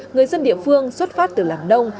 người dân địa phương xuất phát từ làng nông